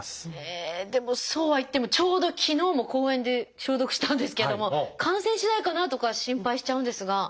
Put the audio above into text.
でもそうはいってもちょうど昨日も公園で消毒したんですけれども感染しないかなとか心配しちゃうんですが。